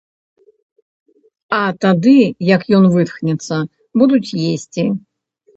А тады, як ён вытхнецца, будуць есці.